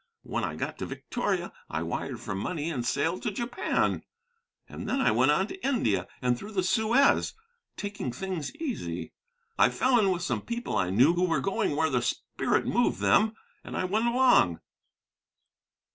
When I got to Victoria I wired for money and sailed to Japan; and then I went on to India and through the Suez, taking things easy. I fell in with some people I knew who were going where the spirit moved them, and I went along.